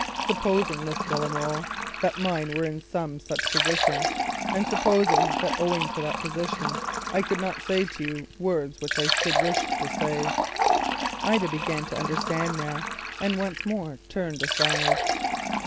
Supposing, Miss de la Molle, that mine were some such position, and supposing that owing to that position I could not say to you words which I should wish to say——" Ida began to understand now and once more turned aside.